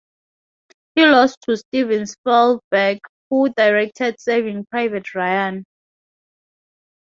He lost to Steven Spielberg who directed Saving Private Ryan.